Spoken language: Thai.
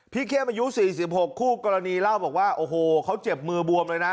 เข้มอายุ๔๖คู่กรณีเล่าบอกว่าโอ้โหเขาเจ็บมือบวมเลยนะ